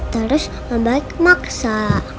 terus om baik maksa